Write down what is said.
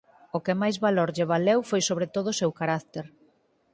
O que máis valor lle valeu foi sobre todo o seu carácter.